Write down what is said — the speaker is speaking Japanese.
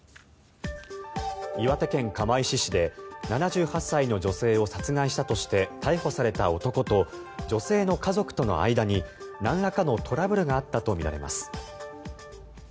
岩手県釜石市で７８歳の女性を殺害したとして逮捕された男と女性の家族との間になんらかのトラブルがあったとみられます。